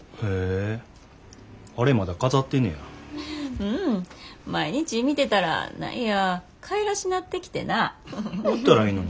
うん毎日見てたら何やかいらしなってきてな。売ったらええのに。